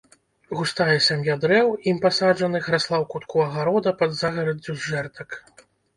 Густая сям'я дрэў, ім пасаджаных, расла ў кутку агарода пад загараддзю з жэрдак.